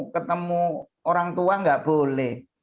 ketemu orang tua nggak boleh